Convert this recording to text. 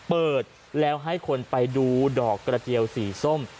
เปิดแล้วให้คนไปดูดอกกระเจียวสีส้ม